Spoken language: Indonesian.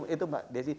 itu mbak desy